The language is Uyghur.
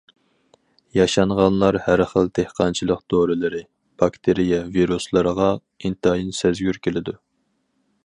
ياشانغانلار ھەر خىل دېھقانچىلىق دورىلىرى، باكتېرىيە، ۋىرۇسلارغا ئىنتايىن سەزگۈر كېلىدۇ.